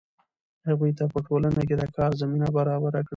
هغوی ته په ټولنه کې د کار زمینه برابره کړئ.